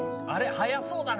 早そうだな。